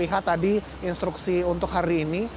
lihat tadi instruksi untuk hari ini